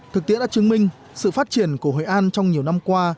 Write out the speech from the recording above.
thực tiễn đã chứng minh sự phát triển của hội an trong nhiều năm qua